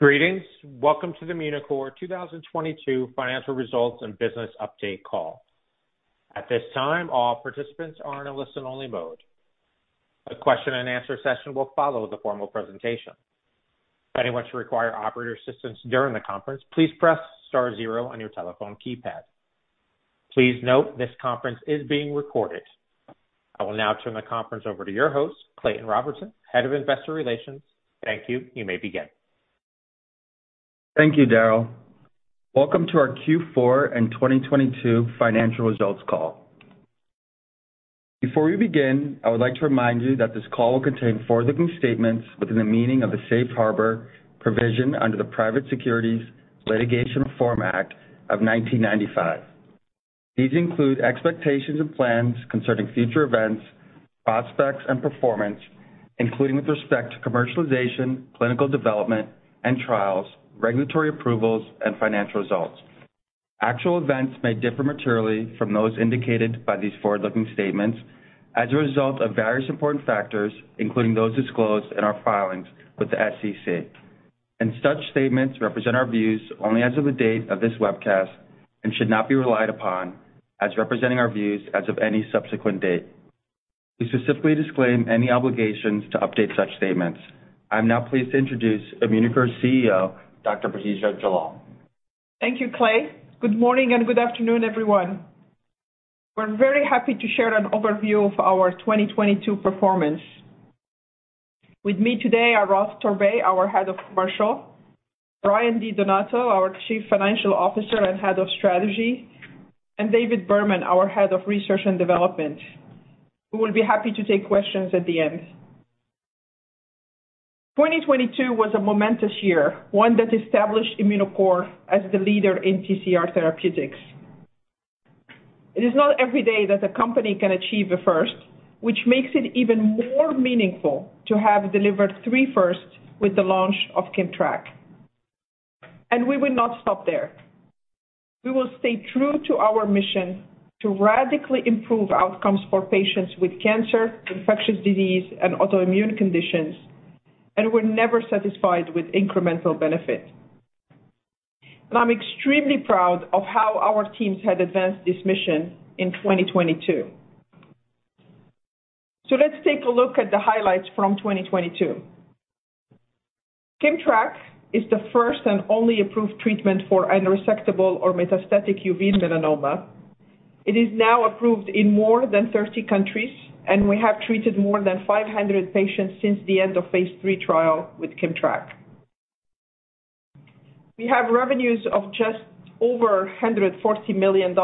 Greetings. Welcome to the Immunocore 2022 financial results and business update call. At this time, all participants are in a listen only mode. A question and answer session will follow the formal presentation. If anyone should require operator assistance during the conference, please press star zero on your telephone keypad. Please note this conference is being recorded. I will now turn the conference over to your host, Clayton Robertson, Head of Investor Relations. Thank you. You may begin. Thank you, Daryl. Welcome to our Q4 and 2022 financial results call. Before we begin, I would like to remind you that this call will contain forward-looking statements within the meaning of the safe harbor provision under the Private Securities Litigation Reform Act of 1995. These include expectations and plans concerning future events, prospects and performance, including with respect to commercialization, clinical development and trials, regulatory approvals and financial results. Actual events may differ materially from those indicated by these forward-looking statements as a result of various important factors, including those disclosed in our filings with the SEC. Such statements represent our views only as of the date of this webcast, and should not be relied upon as representing our views as of any subsequent date. We specifically disclaim any obligations to update such statements. I'm now pleased to introduce Immunocore's CEO, Dr. Bahija Jallal. Thank you, Clay. Good morning and good afternoon, everyone. We're very happy to share an overview of our 2022 performance. With me today are Ralph Torbay, our Head of Commercial, Brian Di Donato, our Chief Financial Officer and Head of Strategy, and David Berman, our Head of Research and Development, who will be happy to take questions at the end. 2022 was a momentous year, one that established Immunocore as the leader in TCR therapeutics. It is not every day that a company can achieve a first, which makes it even more meaningful to have delivered 3 firsts with the launch of KIMMTRAK. We will not stop there. We will stay true to our mission to radically improve outcomes for patients with cancer, infectious disease and autoimmune conditions, and we're never satisfied with incremental benefit. I'm extremely proud of how our teams have advanced this mission in 2022. Let's take a look at the highlights from 2022. KIMMTRAK is the first and only approved treatment for unresectable or metastatic uveal melanoma. It is now approved in more than 30 countries, and we have treated more than 500 patients since the end of phase III trial with KIMMTRAK. We have revenues of just over $140 million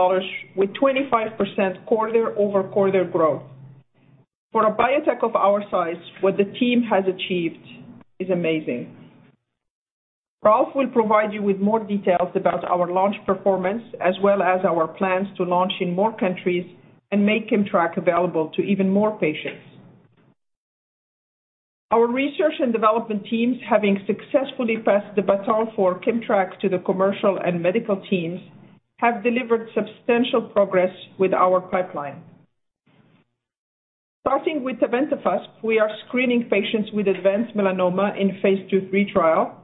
with 25% quarter-over-quarter growth. For a biotech of our size, what the team has achieved is amazing. Ralph will provide you with more details about our launch performance as well as our plans to launch in more countries and make KIMMTRAK available to even more patients. Our research and development teams, having successfully passed the baton for KIMMTRAK to the commercial and medical teams, have delivered substantial progress with our pipeline. Starting with tebentafusp, we are screening patients with advanced melanoma in phase II/III trial.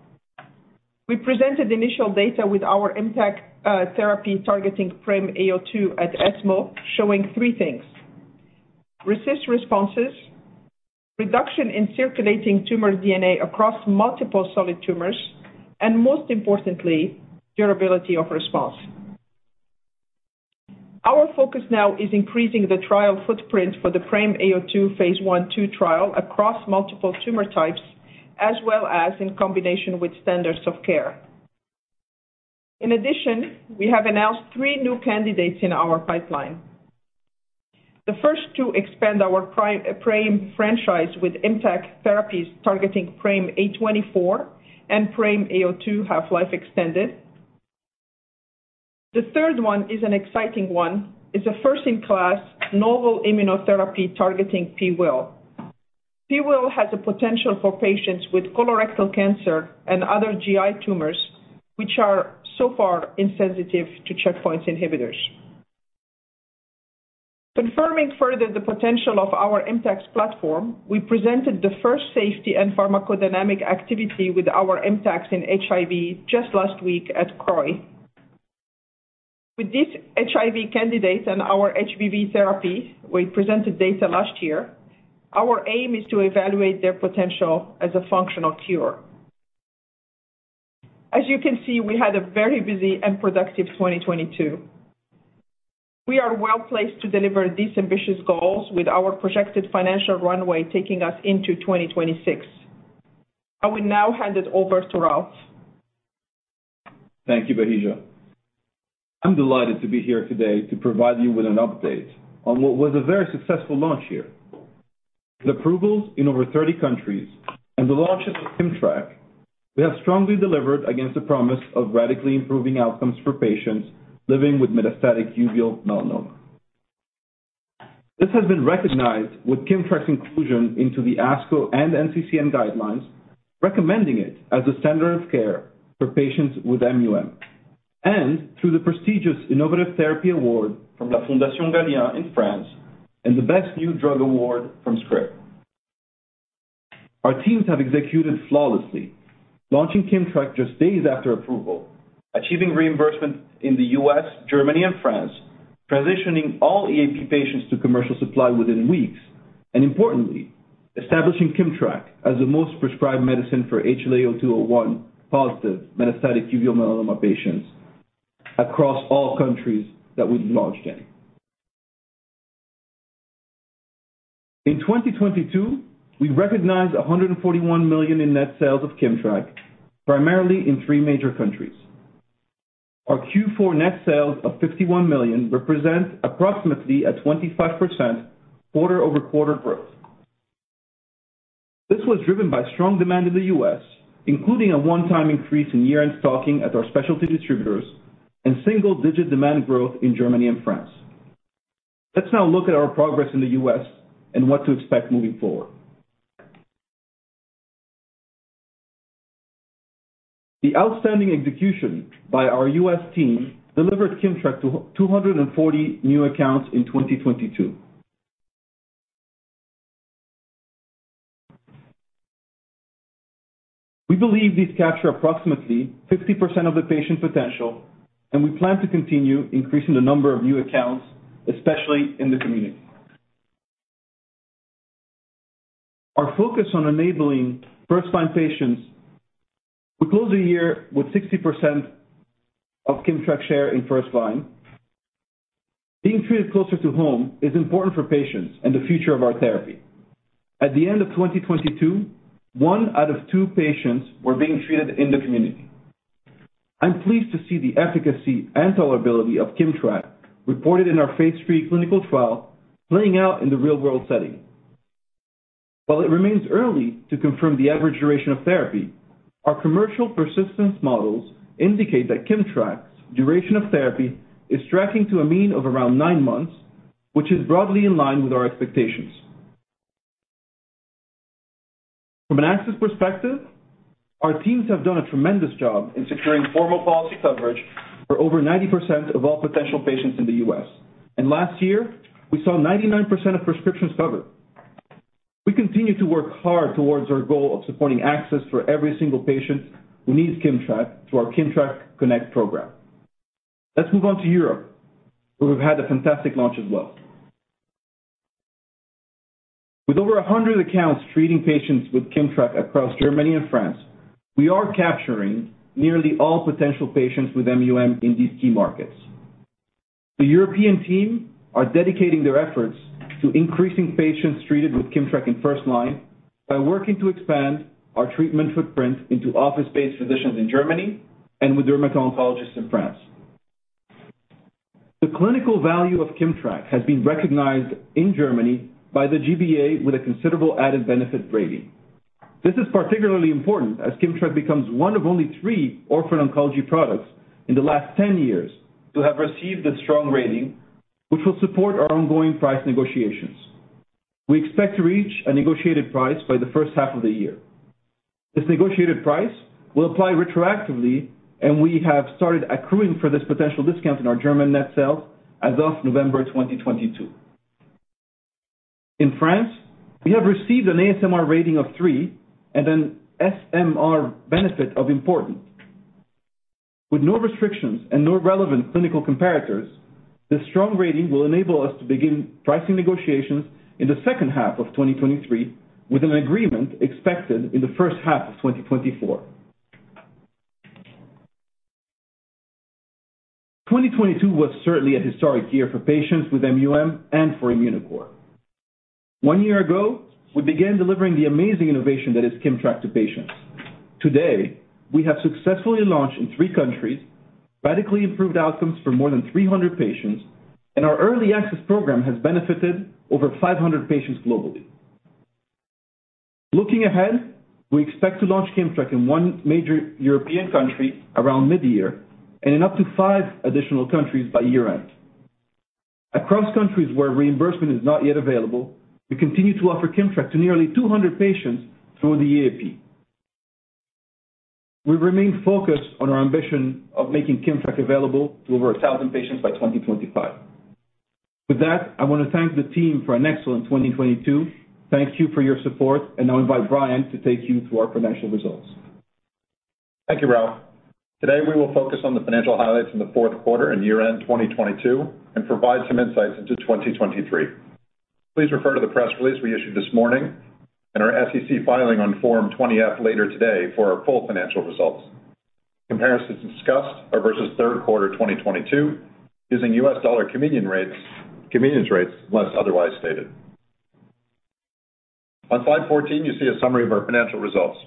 We presented initial data with our ImmTAC therapy targeting PRAME-A02 at ESMO, showing 3 things: RECIST responses, reduction in circulating tumor DNA across multiple solid tumors, and most importantly, durability of response. Our focus now is increasing the trial footprint for the PRAME-A02 phase I/II trial across multiple tumor types, as well as in combination with standards of care. In addition, we have announced 3 new candidates in our pipeline. The first to expand our PRAME franchise with ImmTAC therapies targeting PRAME-A24 and PRAME-A02 half-life extended. The third one is an exciting one. It's a first in class novel immunotherapy targeting PIWIL1. PIWIL1 has a potential for patients with colorectal cancer and other GI tumors which are so far insensitive to checkpoint inhibitors. Confirming further the potential of our ImmTACs platform, we presented the first safety and pharmacodynamic activity with our ImmTACs in HIV just last week at CROI. With these HIV candidates and our HBV therapy we presented data last year, our aim is to evaluate their potential as a functional cure. As you can see, we had a very busy and productive 2022. We are well placed to deliver these ambitious goals with our projected financial runway taking us into 2026. I will now hand it over to Ralph. Thank you, Bahija. I'm delighted to be here today to provide you with an update on what was a very successful launch here. With approvals in over 30 countries and the launches of KIMMTRAK, we have strongly delivered against the promise of radically improving outcomes for patients living with metastatic uveal melanoma. This has been recognized with KIMMTRAK's inclusion into the ASCO and NCCN guidelines. Recommending it as a standard of care for patients with MUM, through the prestigious Innovative Therapy Award from The Galien Foundation in France and the Best New Drug Award from Scrip. Our teams have executed flawlessly, launching KIMMTRAK just days after approval, achieving reimbursement in the U.S., Germany, and France, transitioning all EAP patients to commercial supply within weeks, importantly, establishing KIMMTRAK as the most prescribed medicine for HLA-A*02:01 positive metastatic uveal melanoma patients across all countries that we've launched in. In 2022, we recognized $141 million in net sales of KIMMTRAK, primarily in three major countries. Our Q4 net sales of $51 million represents approximately a 25% quarter-over-quarter growth. This was driven by strong demand in the U.S., including a one-time increase in year-end stocking at our specialty distributors and single-digit demand growth in Germany and France. Let's now look at our progress in the U.S. and what to expect moving forward. The outstanding execution by our U.S. team delivered KIMMTRAK to 240 new accounts in 2022. We believe these capture approximately 50% of the patient potential. We plan to continue increasing the number of new accounts, especially in the community. Our focus on enabling first-line patients, we close the year with 60% of KIMMTRAK share in first line. Being treated closer to home is important for patients and the future of our therapy. At the end of 2022, one out of two patients were being treated in the community. I'm pleased to see the efficacy and tolerability of KIMMTRAK reported in our phase III clinical trial playing out in the real-world setting. While it remains early to confirm the average duration of therapy, our commercial persistence models indicate that KIMMTRAK's duration of therapy is tracking to a mean of around nine months, which is broadly in line with our expectations. From an access perspective, our teams have done a tremendous job in securing formal policy coverage for over 90% of all potential patients in the U.S. Last year, we saw 99% of prescriptions covered. We continue to work hard towards our goal of supporting access for every single patient who needs KIMMTRAK through our KIMMTRAK CONNECT program. Let's move on to Europe, where we've had a fantastic launch as well. With over 100 accounts treating patients with KIMMTRAK across Germany and France, we are capturing nearly all potential patients with MUM in these key markets. The European team are dedicating their efforts to increasing patients treated with KIMMTRAK in first line by working to expand our treatment footprint into office-based physicians in Germany and with dermatologists in France. The clinical value of KIMMTRAK has been recognized in Germany by the G-BA with a considerable added benefit rating. This is particularly important as KIMMTRAK becomes one of only three orphan oncology products in the last 10 years to have received this strong rating, which will support our ongoing price negotiations. We expect to reach a negotiated price by the first half of the year. This negotiated price will apply retroactively, and we have started accruing for this potential discount in our German net sales as of November 2022. In France, we have received an ASMR rating of three and an SMR benefit of important. With no restrictions and no relevant clinical comparators, this strong rating will enable us to begin pricing negotiations in the second half of 2023, with an agreement expected in the first half of 2024. 2022 was certainly a historic year for patients with MUM and for Immunocore. One year ago, we began delivering the amazing innovation that is KIMMTRAK to patients. Today, we have successfully launched in three countries, radically improved outcomes for more than 300 patients, and our early access program has benefited over 500 patients globally. Looking ahead, we expect to launch KIMMTRAK in one major European country around mid-year and in up to five additional countries by year-end. Across countries where reimbursement is not yet available, we continue to offer KIMMTRAK to nearly 200 patients through the EAP. We remain focused on our ambition of making KIMMTRAK available to over 1,000 patients by 2025. With that, I wanna thank the team for an excellent 2022, thank you for your support, and I invite Brian to take you through our financial results. Thank you, Ralph. Today, we will focus on the financial highlights in the fourth quarter and year-end 2022 and provide some insights into 2023. Please refer to the press release we issued this morning and our SEC filing on Form 20-F later today for our full financial results. Comparisons discussed are versus third quarter 2022 using U.S. dollar communion rates, convenience rates unless otherwise stated. On slide 14, you see a summary of our financial results.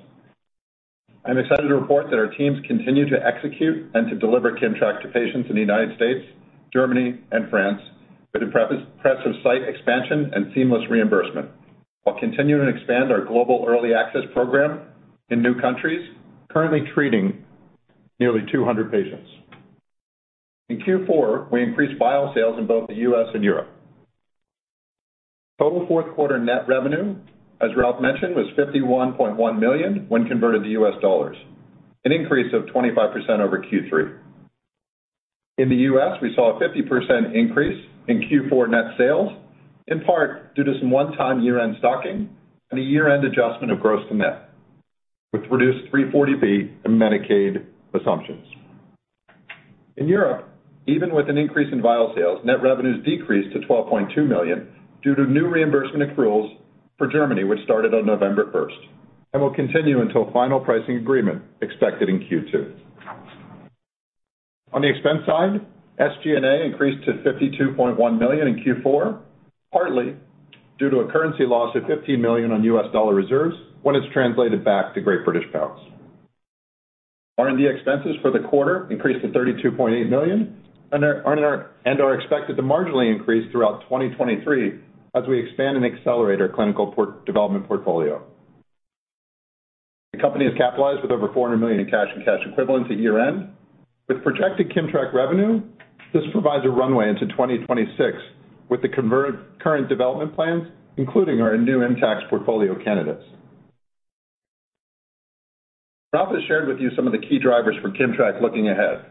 I'm excited to report that our teams continue to execute and to deliver KIMMTRAK to patients in the United States, Germany, and France with impressive site expansion and seamless reimbursement, while continuing to expand our global early access program in new countries, currently treating nearly 200 patients. In Q4, we increased bio sales in both the U.S. and Europe. Total fourth quarter net revenue, as Ralph mentioned, was $51.1 million when converted to U.S. dollars, an increase of 25% over Q3. In the U.S., we saw a 50% increase in Q4 net sales, in part due to some one-time year-end stocking and a year-end adjustment of gross to net, which reduced 340B and Medicaid assumptions. In Europe, even with an increase in vial sales, net revenues decreased to $12.2 million due to new reimbursement accruals for Germany, which started on November first and will continue until final pricing agreement expected in Q2. On the expense side, SG&A increased to $52.1 million in Q4, partly due to a currency loss of $15 million on U.S. dollar reserves when it's translated back to great British pounds. R&D expenses for the quarter increased to $32.8 million and are expected to marginally increase throughout 2023 as we expand and accelerate our clinical port development portfolio. The company is capitalized with over $400 million in cash and cash equivalents at year-end. This provides a runway into 2026 with the converted current development plans, including our new ImmTAC portfolio candidates. Ralph has shared with you some of the key drivers for KIMMTRAK looking ahead.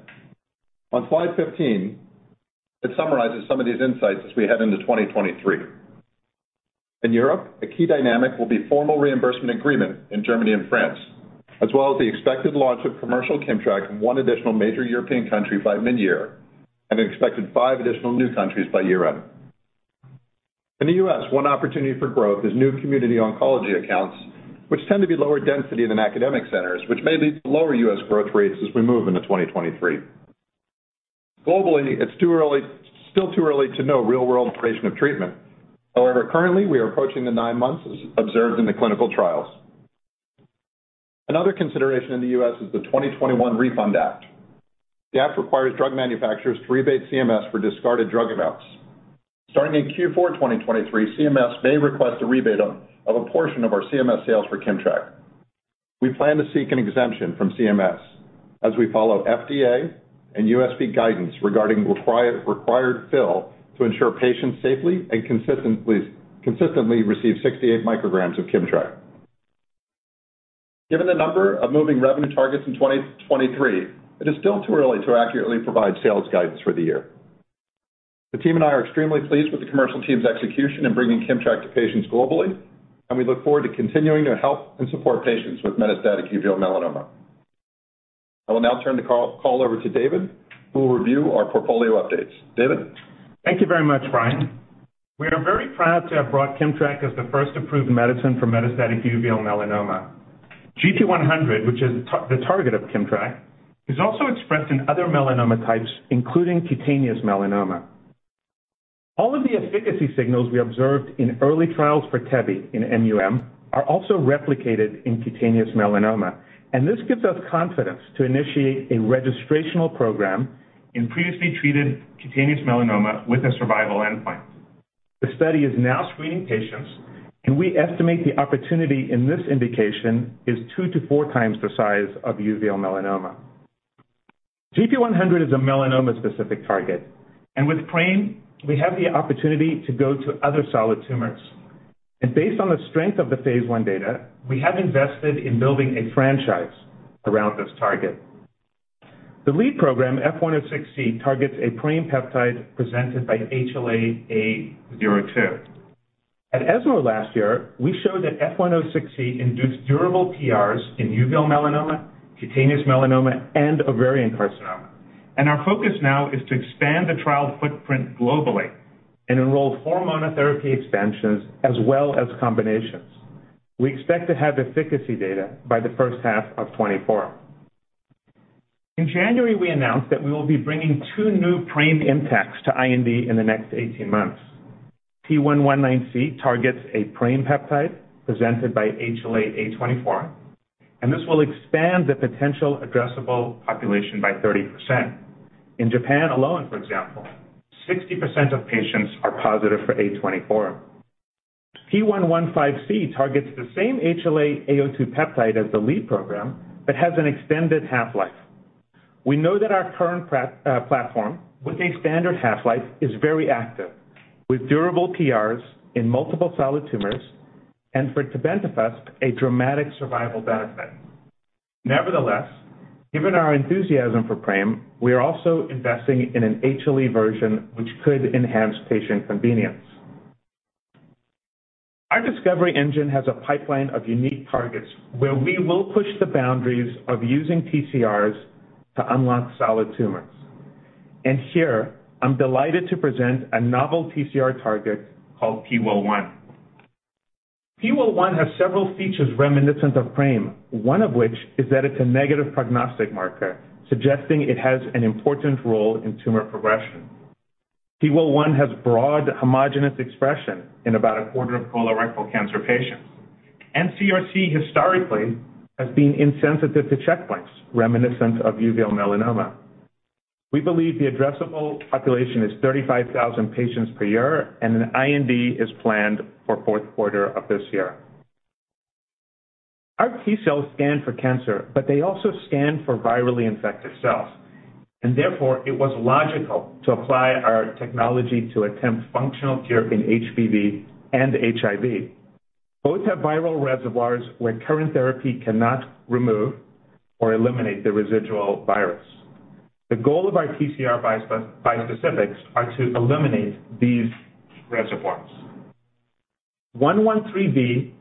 It summarizes some of these insights as we head into 2023. A key dynamic will be formal reimbursement agreement in Germany and France, as well as the expected launch of commercial KIMMTRAK in one additional major European country by mid-year and an expected 5 additional new countries by year-end. In the U.S., one opportunity for growth is new community oncology accounts, which tend to be lower density than academic centers, which may lead to lower U.S. growth rates as we move into 2023. Globally, it's still too early to know real-world duration of treatment. However, currently, we are approaching the 9 months as observed in the clinical trials. Another consideration in the U.S. is the 2021 Refund Act. The act requires drug manufacturers to rebate CMS for discarded drug amounts. Starting in Q4 2023, CMS may request a rebate of a portion of our CMS sales for KIMMTRAK. We plan to seek an exemption from CMS as we follow FDA and USP guidance regarding required fill to ensure patients safely and consistently receive 68 micrograms of KIMMTRAK. Given the number of moving revenue targets in 2023, it is still too early to accurately provide sales guidance for the year. The team and I are extremely pleased with the commercial team's execution in bringing KIMMTRAK to patients globally. We look forward to continuing to help and support patients with metastatic uveal melanoma. I will now turn the call over to David, who will review our portfolio updates. David? Thank you very much, Brian. We are very proud to have brought KIMMTRAK as the first approved medicine for metastatic uveal melanoma. gp100, which is the target of KIMMTRAK, is also expressed in other melanoma types, including cutaneous melanoma. All of the efficacy signals we observed in early trials for tebentafusp in MUM are also replicated in cutaneous melanoma. This gives us confidence to initiate a registrational program in previously treated cutaneous melanoma with a survival endpoint. The study is now screening patients, and we estimate the opportunity in this indication is 2 to 4 times the size of uveal melanoma. gp100 is a melanoma-specific target. With PRAME, we have the opportunity to go to other solid tumors. Based on the strength of the phase I data, we have invested in building a franchise around this target. The lead program, F106C, targets a PRAME peptide presented by HLA-A*02. At ESMO last year, we showed that F106C induced durable PRs in uveal melanoma, cutaneous melanoma, and ovarian carcinoma. Our focus now is to expand the trial footprint globally and enroll 4 monotherapy expansions as well as combinations. We expect to have efficacy data by the first half of 2024. In January, we announced that we will be bringing two new PRAME ImmTACs to IND in the next 18 months. P119C targets a PRAME peptide presented by HLA-A24, this will expand the potential addressable population by 30%. In Japan alone, for example, 60% of patients are positive for HLA-A24. P115C targets the same HLA-A*02 peptide as the lead program but has an extended half-life. We know that our current platform with a standard half-life is very active, with durable PRs in multiple solid tumors and for tebentafusp, a dramatic survival benefit. Nevertheless, given our enthusiasm for PRAME, we are also investing in an HLA version which could enhance patient convenience. Our discovery engine has a pipeline of unique targets where we will push the boundaries of using TCRs to unlock solid tumors. Here, I'm delighted to present a novel TCR target called PIWIL1. PIWIL1 has several features reminiscent of PRAME, one of which is that it's a negative prognostic marker, suggesting it has an important role in tumor progression. PIWIL1 has broad homogenous expression in about a quarter of colorectal cancer patients. NCRC historically has been insensitive to checkpoints reminiscent of uveal melanoma. We believe the addressable population is 35,000 patients per year. An IND is planned for fourth quarter of this year. T cells scan for cancer, but they also scan for virally infected cells. Therefore, it was logical to apply our technology to attempt functional cure in HBV and HIV. Both have viral reservoirs where current therapy cannot remove or eliminate the residual virus. The goal of our TCR bispecifics are to eliminate these reservoirs. One one three B,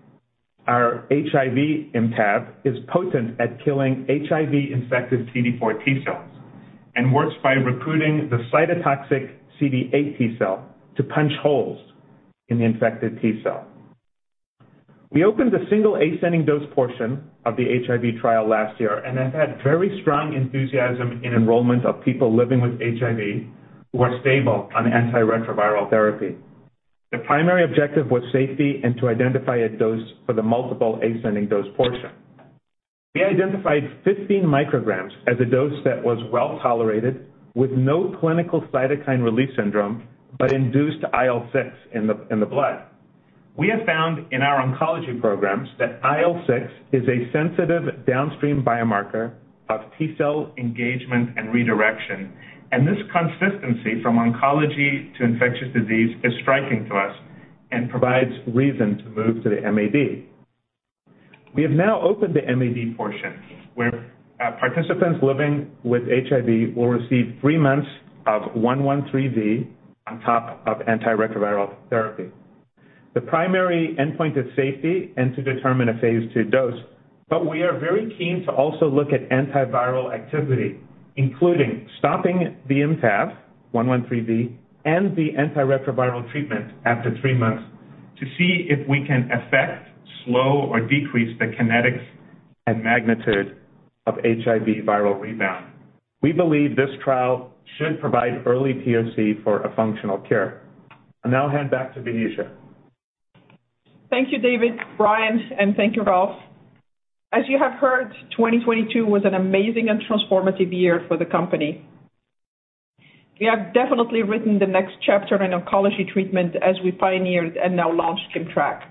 our HIV ImmTAV, is potent at killing HIV-infected CD4 T cells and works by recruiting the cytotoxic CD8 T cell to punch holes in the infected T cell. We opened a single ascending dose portion of the HIV trial last year and have had very strong enthusiasm in enrollment of people living with HIV who are stable on antiretroviral therapy. The primary objective was safety and to identify a dose for the multiple ascending dose portion. We identified 15 micrograms as a dose that was well-tolerated with no clinical cytokine release syndrome, but induced IL-6 in the blood. We have found in our oncology programs that IL-6 is a sensitive downstream biomarker of T cell engagement and redirection. This consistency from oncology to infectious disease is striking to us and provides reason to move to the MAD. We have now opened the MAD portion, where participants living with HIV will receive three months of IMC-M113V on top of antiretroviral therapy. The primary endpoint is safety and to determine a phase II dose. We are very keen to also look at antiviral activity, including stopping the IMC-M113V and the antiretroviral treatment after three months to see if we can affect, slow, or decrease the kinetics and magnitude of HIV viral rebound. We believe this trial should provide early POC for a functional cure. I'll now hand back to Bahija. Thank you, David, Brian, and thank you, Ralph. As you have heard, 2022 was an amazing and transformative year for the company. We have definitely written the next chapter in oncology treatment as we pioneered and now launched KIMMTRAK.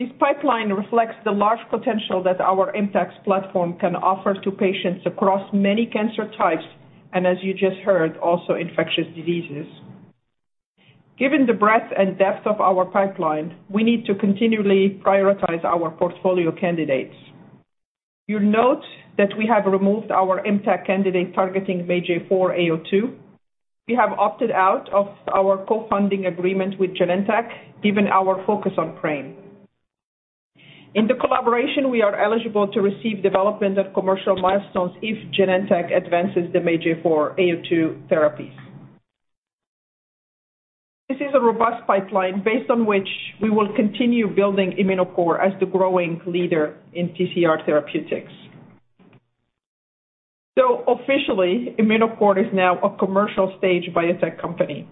This pipeline reflects the large potential that our ImmTAC platform can offer to patients across many cancer types, and as you just heard, also infectious diseases. Given the breadth and depth of our pipeline, we need to continually prioritize our portfolio candidates. You'll note that we have removed our ImmTAC candidate targeting MAGE-A4. We have opted out of our co-funding agreement with Genentech given our focus on PRAME. In the collaboration, we are eligible to receive development of commercial milestones if Genentech advances the MAGE-A4 therapies. This is a robust pipeline based on which we will continue building Immunocore as the growing leader in TCR therapeutics. Officially, Immunocore is now a commercial stage biotech company.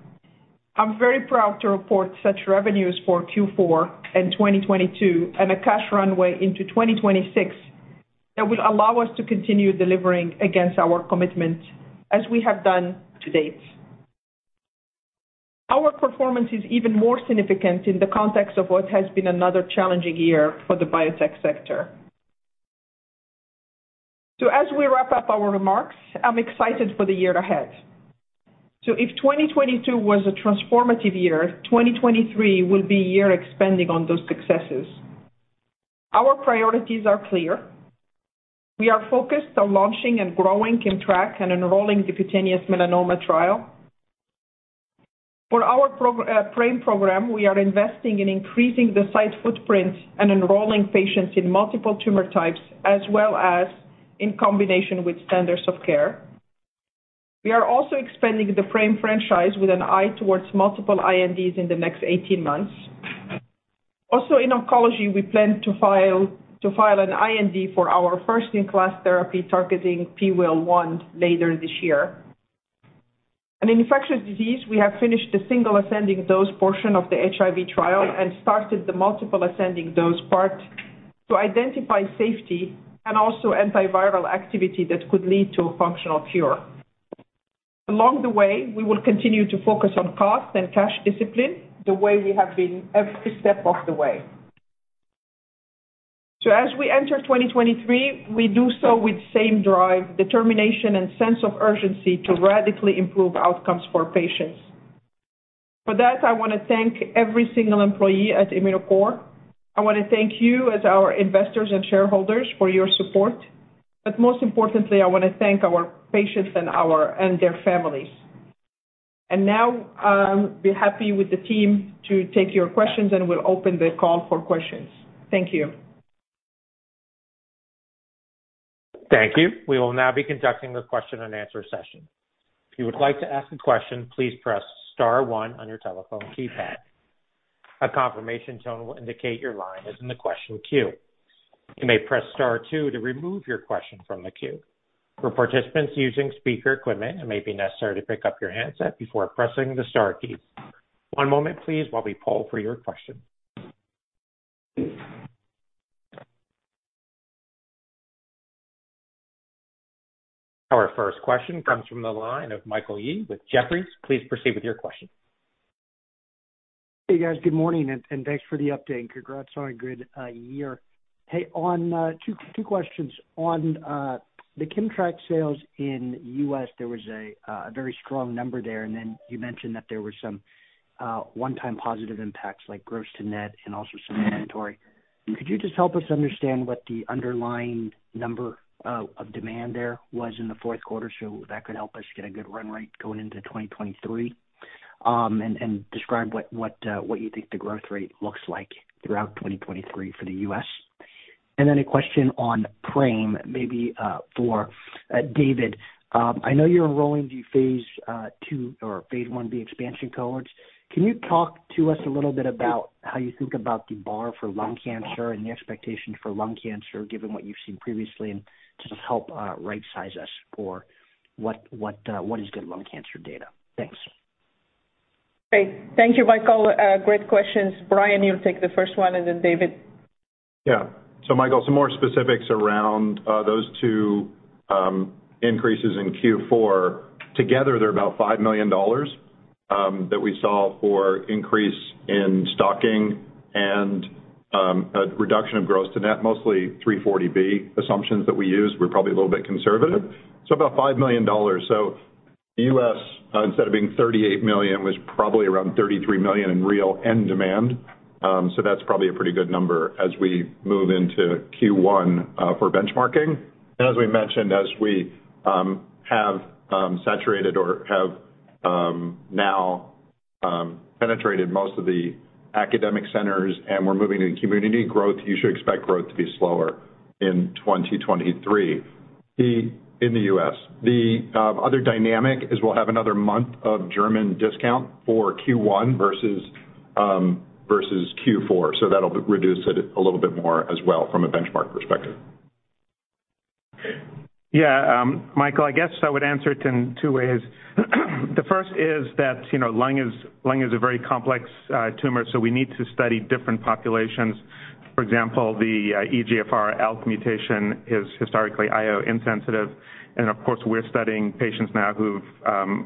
I'm very proud to report such revenues for Q4 and 2022 and a cash runway into 2026 that will allow us to continue delivering against our commitments as we have done to date. Our performance is even more significant in the context of what has been another challenging year for the biotech sector. As we wrap up our remarks, I'm excited for the year ahead. If 2022 was a transformative year, 2023 will be a year expanding on those successes. Our priorities are clear. We are focused on launching and growing KIMMTRAK and enrolling the cutaneous melanoma trial. For our PRAME program, we are investing in increasing the site footprint and enrolling patients in multiple tumor types as well as in combination with standards of care. We are also expanding the PRAME franchise with an eye towards multiple INDs in the next 18 months. In oncology, we plan to file an IND for our first-in-class therapy targeting PIWIL1 later this year. In infectious disease, we have finished a single ascending dose portion of the HIV trial and started the multiple ascending dose part to identify safety and also antiviral activity that could lead to a functional cure. Along the way, we will continue to focus on cost and cash discipline the way we have been every step of the way. As we enter 2023, we do so with same drive, determination, and sense of urgency to radically improve outcomes for patients. For that, I wanna thank every single employee at Immunocore. I wanna thank you as our investors and shareholders for your support, but most importantly, I wanna thank our patients and their families. Now, be happy with the team to take your questions, and we'll open the call for questions. Thank you. Thank you. We will now be conducting the question and answer session. If you would like to ask a question, please press star one on your telephone keypad. A confirmation tone will indicate your line is in the question queue. You may press star two to remove your question from the queue. For participants using speaker equipment, it may be necessary to pick up your handset before pressing the star keys. One moment please while we poll for your question. Our first question comes from the line of Michael Yee with Jefferies. Please proceed with your question. Hey, guys. Good morning, and thanks for the update, and congrats on a good year. Hey, on two questions. On the KIMMTRAK sales in U.S., there was a very strong number there, then you mentioned that there were some one-time positive ImmTACs like gross to net and also some inventory. Could you just help us understand what the underlying number of demand there was in the fourth quarter so that could help us get a good run rate going into 2023? Describe what you think the growth rate looks like throughout 2023 for the U.S. Then a question on PRAME maybe for David. I know you're enrolling the phase II or phase I-B expansion cohorts. Can you talk to us a little bit about how you think about the bar for lung cancer and the expectations for lung cancer given what you've seen previously, and just help right size us for what is good lung cancer data? Thanks. Great. Thank you, Michael. Great questions. Brian, you'll take the first one, and then David. Yeah. Michael, some more specifics around those two increases in Q4. Together, they're about $5 million that we saw for increase in stocking and a reduction of gross to net, mostly 340B assumptions that we used. We're probably a little bit conservative. About $5 million. U.S., instead of being $38 million, was probably around $33 million in real end demand. That's probably a pretty good number as we move into Q1 for benchmarking. As we mentioned, as we have saturated or have now penetrated most of the academic centers and we're moving to community growth, you should expect growth to be slower in 2023, in the U.S. The other dynamic is we'll have another month of German discount for Q1 versus versus Q4. That'll reduce it a little bit more as well from a benchmark perspective. Yeah. Michael, I guess I would answer it in two ways. The first is that, you know, lung is a very complex tumor, so we need to study different populations. For example, the EGFR/ALK mutation is historically IO insensitive. Of course, we're studying patients now who've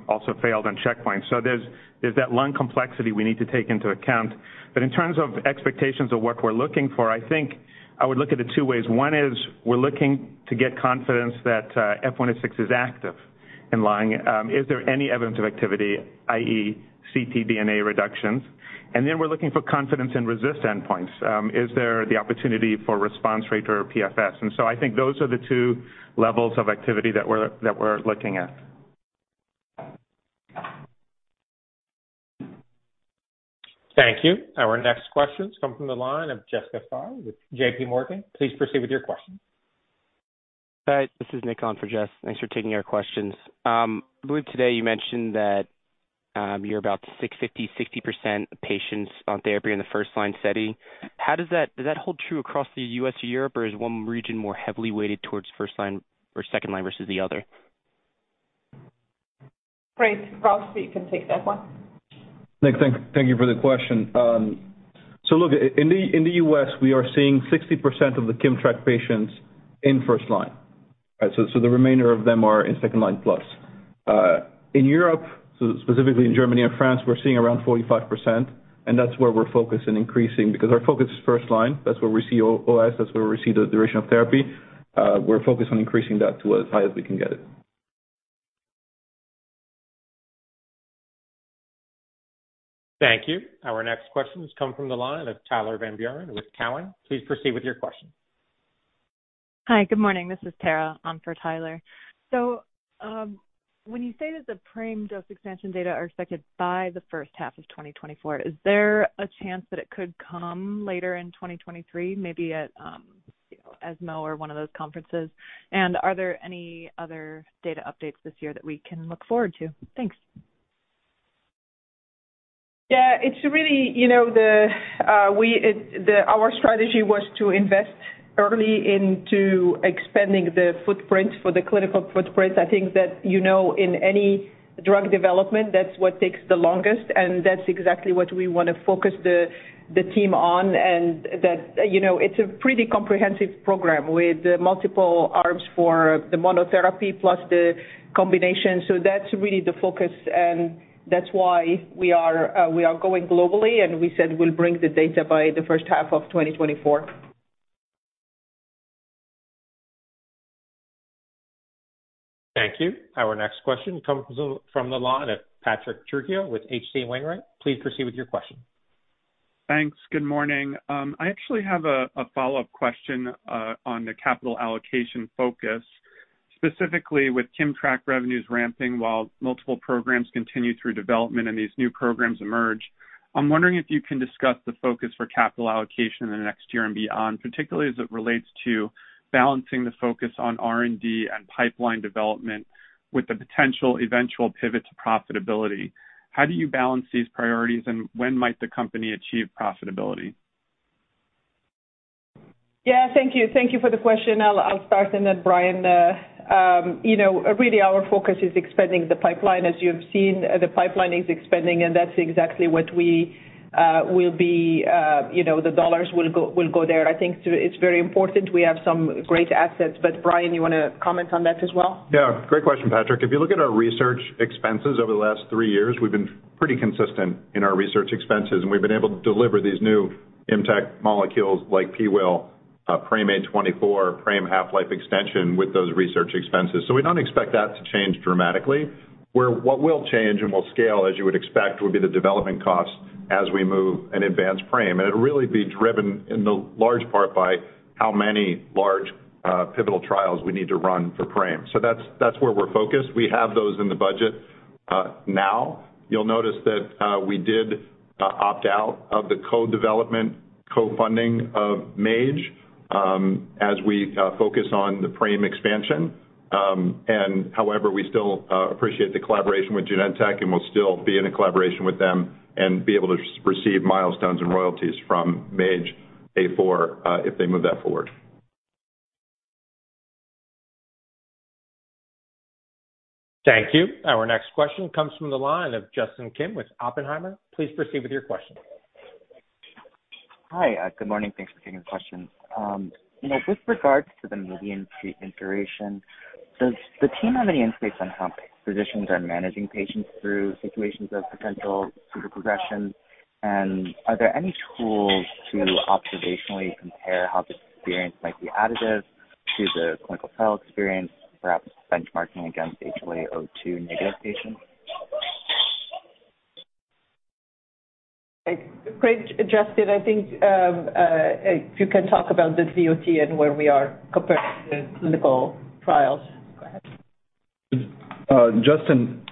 also failed on checkpoint. There's that lung complexity we need to take into account. In terms of expectations of what we're looking for, I think I would look at it two ways. One is we're looking to get confidence that F106C is active in lung. Is there any evidence of activity, i.e., ctDNA reductions? We're looking for confidence in RECIST endpoints. Is there the opportunity for response rate or PFS? I think those are the two levels of activity that we're looking at. Thank you. Our next question comes from the line of Jessica Fye with JPMorgan. Please proceed with your question. Hi, this is Nick on for Jess. Thanks for taking our questions. I believe today you mentioned that you're about 650, 60% of patients on therapy in the first line setting. Does that hold true across the U.S. or Europe, or is one region more heavily weighted towards first line or second line versus the other? Ralph, perhaps you can take that one. Nick, thank you for the question. Look, in the U.S., we are seeing 60% of the KIMMTRAK patients in first line. Right? The remainder of them are in second line plus. In Europe, specifically in Germany and France, we're seeing around 45%. That's where we're focused in increasing because our focus is first line. That's where we see OS, that's where we see the duration of therapy. We're focused on increasing that to as high as we can get it. Thank you. Our next question has come from the line of Tyler Van Buren with Cowen. Please proceed with your question. Hi. Good morning. This is Tara, on for Tyler. When you say that the PRAME dose expansion data are expected by the first half of 2024, is there a chance that it could come later in 2023, maybe at, you know, ESMO or one of those conferences? Are there any other data updates this year that we can look forward to? Thanks. Yeah, it's really, you know, the our strategy was to invest early into expanding the footprint for the clinical footprint. I think that, you know, in any drug development, that's what takes the longest, and that's exactly what we wanna focus the team on. That, you know, it's a pretty comprehensive program with multiple arms for the monotherapy plus the combination. That's really the focus, and that's why we are, we are going globally, and we said we'll bring the data by the first half of 2024. Thank you. Our next question comes from the line of Patrick Trucchio with H.C. Wainwright. Please proceed with your question. Thanks. Good morning. I actually have a follow-up question on the capital allocation focus, specifically with KIMMTRAK revenues ramping while multiple programs continue through development and these new programs emerge. I'm wondering if you can discuss the focus for capital allocation in the next year and beyond, particularly as it relates to balancing the focus on R&D and pipeline development with the potential eventual pivot to profitability. How do you balance these priorities, and when might the company achieve profitability? Yeah, thank you. Thank you for the question. I'll start and then Brian. You know, really our focus is expanding the pipeline. As you have seen, the pipeline is expanding, and that's exactly what we will be, you know, the dollars will go there. I think it's very important we have some great assets. Brian, you wanna comment on that as well? Yeah, great question, Patrick. If you look at our research expenses over the last 3 years, we've been pretty consistent in our research expenses, and we've been able to deliver these new ImmTAC molecules like PIWIL1, PRAME-A24, PRAME half-life extension with those research expenses. We don't expect that to change dramatically. What will change and will scale, as you would expect, would be the development costs as we move and advance PRAME. It'll really be driven in the large part by how many large pivotal trials we need to run for PRAME. That's, that's where we're focused. We have those in the budget now. You'll notice that we did opt out of the co-development, co-funding of MAGE, as we focus on the PRAME expansion. However, we still appreciate the collaboration with Genentech, and we'll still be in a collaboration with them and be able to receive milestones and royalties from MAGE-A4, if they move that forward. Thank you. Our next question comes from the line of Justin Kim with Oppenheimer. Please proceed with your question. Hi. Good morning. Thanks for taking the question. You know, with regards to the median treat integration, does the team have any insights on how physicians are managing patients through situations of potential pseudo progression? Are there any tools to observationally compare how the experience might be additive to the clinical trial experience, perhaps benchmarking against HLA-A2 negative patients? Great, Justin. I think, if you can talk about the DOT and where we are compared to the clinical trials. Go ahead. Justin,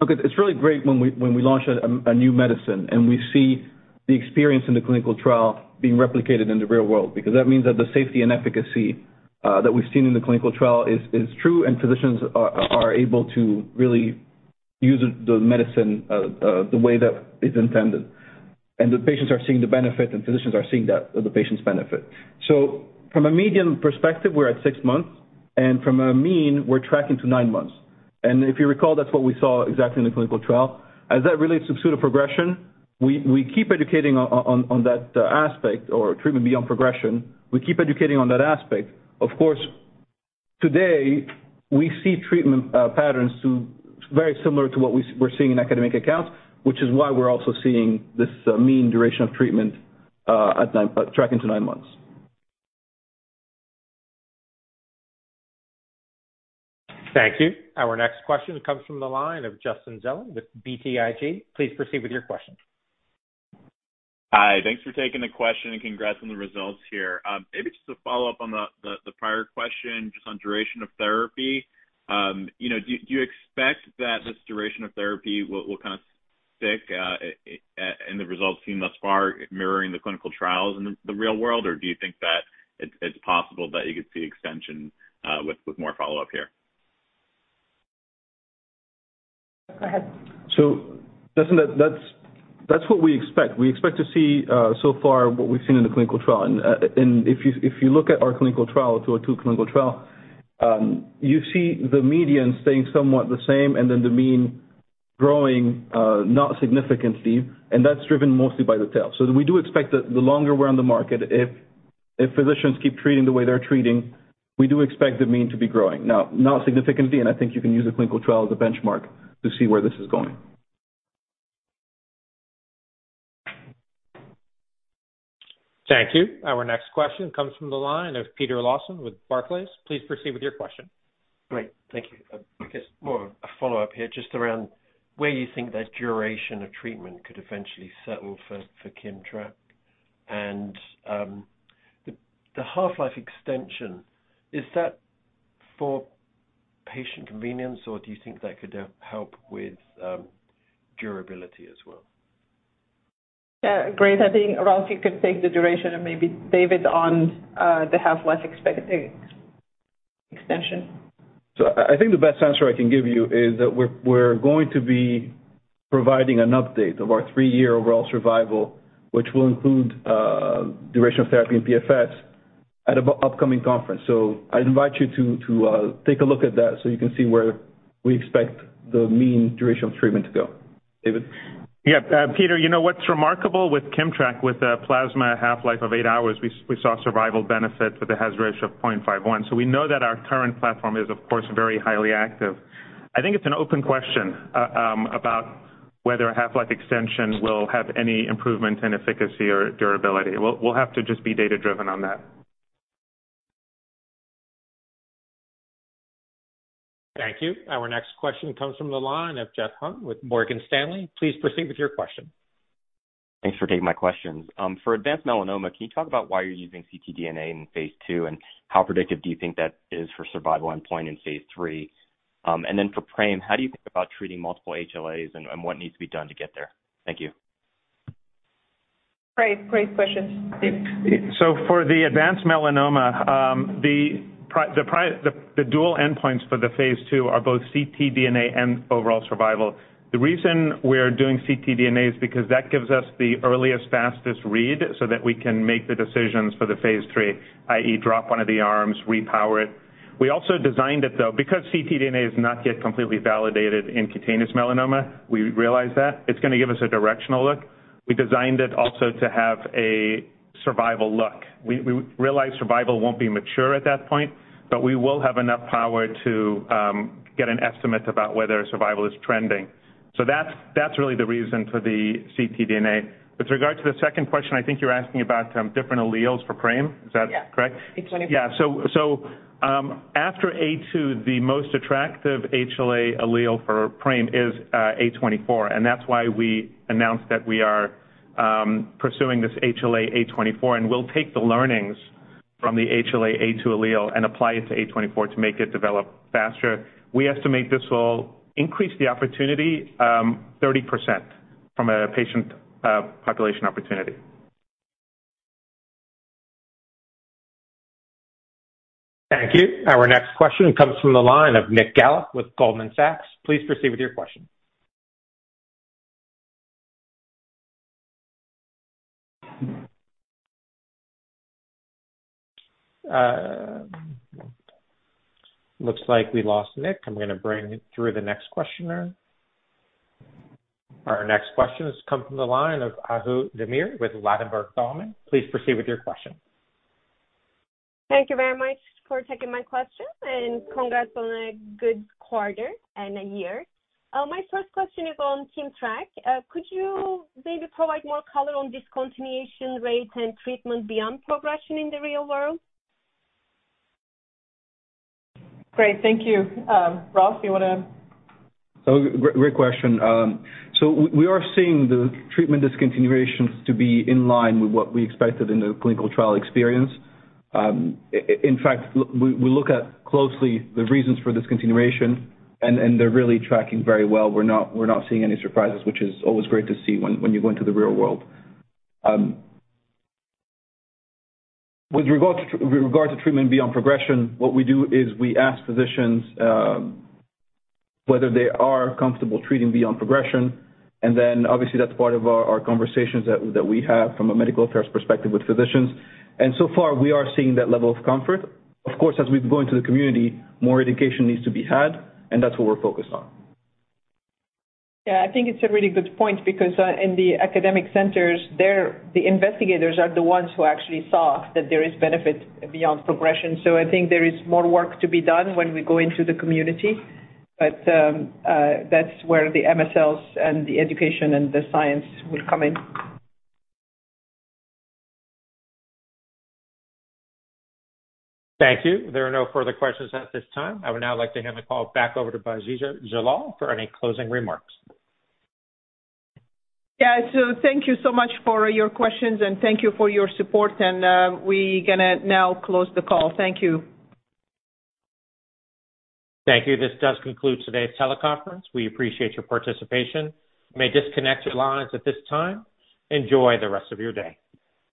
look, it's really great when we launch a new medicine and we see the experience in the clinical trial being replicated in the real world, because that means that the safety and efficacy that we've seen in the clinical trial is true, and physicians are able to really use the medicine the way that is intended. The patients are seeing the benefit and physicians are seeing that the patients benefit. From a medium perspective, we're at six months, and from a mean, we're tracking to nine months. If you recall, that's what we saw exactly in the clinical trial. As that relates to pseudo progression, we keep educating on that aspect or treatment beyond progression. We keep educating on that aspect. Of course, today we see treatment patterns to very similar to what we're seeing in academic accounts, which is why we're also seeing this mean duration of treatment at nine, tracking to nine months. Thank you. Our next question comes from the line of Justin Zelin with BTIG. Please proceed with your question. Hi. Thanks for taking the question, congrats on the results here. Maybe just to follow up on the prior question just on duration of therapy. You know, do you expect that this duration of therapy will kind of stick in the results seen thus far mirroring the clinical trials in the real world? Or do you think that it's possible that you could see extension with more follow-up here? Go ahead. Justin, that's what we expect. We expect to see so far what we've seen in the clinical trial. If you look at our clinical trial, two out of two clinical trial, you see the median staying somewhat the same and then the mean growing not significantly, and that's driven mostly by the tail. We do expect that the longer we're on the market if physicians keep treating the way they're treating, we do expect the mean to be growing. Now, not significantly, and I think you can use the clinical trial as a benchmark to see where this is going. Thank you. Our next question comes from the line of Peter Lawson with Barclays. Please proceed with your question. Great. Thank you. I guess more a follow-up here just around where you think that duration of treatment could eventually settle for KIMMTRAK. The half-life extension, is that for patient convenience, or do you think that could help with durability as well? Yeah. Great. I think, Ralph, you can take the duration and maybe David on the half-life extension. I think the best answer I can give you is that we're going to be providing an update of our three year overall survival, which will include duration of therapy and PFS at upcoming conference. I'd invite you to take a look at that so you can see where we expect the mean duration of treatment to go. David? Yeah. Peter, you know what's remarkable with KIMMTRAK with a plasma half-life of eight hours, we saw survival benefit with a hazard ratio of 0.51. We know that our current platform is, of course, very highly active. I think it's an open question about whether a half-life extension will have any improvement in efficacy or durability. We'll have to just be data-driven on that. Thank you. Our next question comes from the line of Jeff Hung with Morgan Stanley. Please proceed with your question. Thanks for taking my questions. For advanced melanoma, can you talk about why you're using ctDNA in phase II, and how predictive do you think that is for survival endpoint in phase III? For PRAME, how do you think about treating multiple HLAs and what needs to be done to get there? Thank you. Great, great question. For the advanced melanoma, the dual endpoints for the phase II are both ctDNA and overall survival. The reason we're doing ctDNA is because that gives us the earliest, fastest read so that we can make the decisions for the phase III, i.e., drop one of the arms, repower it. We also designed it, though, because ctDNA is not yet completely validated in cutaneous melanoma, we realized that it's gonna give us a directional look. We designed it also to have a survival look. We realized survival won't be mature at that point, but we will have enough power to get an estimate about whether survival is trending. That's really the reason for the ctDNA. With regard to the second question, I think you're asking about different alleles for PRAME. Is that correct? Yeah. After HLA-A2, the most attractive HLA allele for PRAME is HLA-A24. That's why we announced that we are pursuing this HLA-A24. We'll take the learnings from the HLA-A2 allele and apply it to HLA-A24 to make it develop faster. We estimate this will increase the opportunity, 30% from a patient population opportunity. Thank you. Our next question comes from the line of Nick Gallo with Goldman Sachs. Please proceed with your question. Looks like we lost Nick. I'm gonna bring it through the next questioner. Our next question has come from the line of Ahu Demir with Ladenburg Thalmann. Please proceed with your question. Thank you very much for taking my question, and congrats on a good quarter and a year. My first question is on KIMMTRAK. Could you maybe provide more color on discontinuation rates and treatment beyond progression in the real world? Great. Thank you. Ralph, you wanna? Great question. We are seeing the treatment discontinuations to be in line with what we expected in the clinical trial experience. In fact, we look at closely the reasons for discontinuation and they're really tracking very well. We're not seeing any surprises, which is always great to see when you go into the real world. With regard to treatment beyond progression, what we do is we ask physicians whether they are comfortable treating beyond progression, and obviously that's part of our conversations that we have from a medical affairs perspective with physicians. So far we are seeing that level of comfort. Of course, as we go into the community, more education needs to be had, and that's what we're focused on. Yeah, I think it's a really good point because in the academic centers, the investigators are the ones who actually saw that there is benefit beyond progression. I think there is more work to be done when we go into the community. That's where the MSLs and the education and the science will come in. Thank you. There are no further questions at this time. I would now like to hand the call back over to Bahija Jallal for any closing remarks. Yeah. Thank you so much for your questions, and thank you for your support. We gonna now close the call. Thank you. Thank you. This does conclude today's teleconference. We appreciate your participation. You may disconnect your lines at this time. Enjoy the rest of your day.